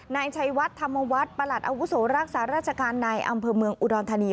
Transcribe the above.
นายชัยวัดธรรมวัฒน์ประหลัดอาวุโสรักษาราชการในอำเภอเมืองอุดรธานี